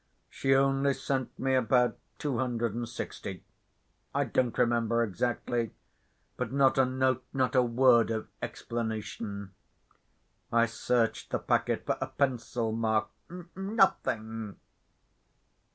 She only sent me about two hundred and sixty. I don't remember exactly, but not a note, not a word of explanation. I searched the packet for a pencil mark—n‐nothing!